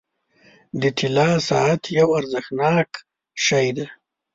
• د طلا ساعت یو ارزښتناک شی دی.